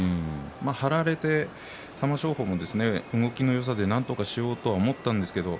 張られて玉正鳳も動きのよさでなんとかしようと思ったんですけれど